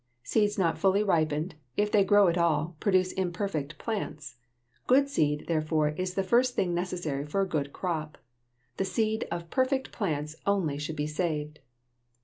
Seeds not fully ripened, if they grow at all, produce imperfect plants. Good seed, therefore, is the first thing necessary for a good crop. The seed of perfect plants only should be saved.